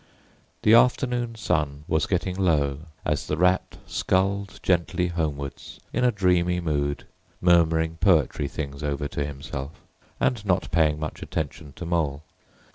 The afternoon sun was getting low as the Rat sculled gently homewards in a dreamy mood, murmuring poetry things over to himself, and not paying much attention to Mole.